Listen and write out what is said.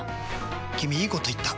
君いいこと言った！